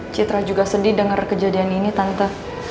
citra juga sedih dengar kejadian ini tante